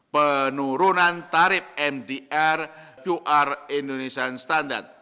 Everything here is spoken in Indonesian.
penurunan tarif mdr dua indonesian standard